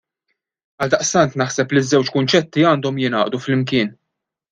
Għaldaqstant naħseb li ż-żewġ kunċetti għandhom jingħaqdu flimkien.